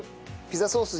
ピザソース。